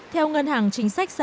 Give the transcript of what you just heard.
theo ngân hàng chính sách xã hội